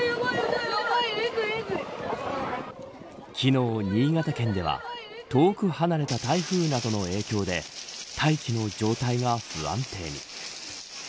昨日、新潟県では遠く離れた台風などの影響で大気の状態が不安定に。